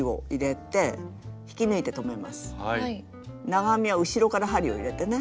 長編みは後ろから針を入れてね